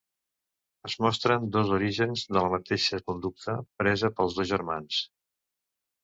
Es mostren dos orígens de la mateixa conducta presa pels dos germans.